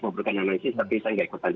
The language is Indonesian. mau berbicara nama isi tapi saya nggak ikutan